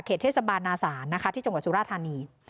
เทศบาลนาศาลนะคะที่จังหวัดสุราธานี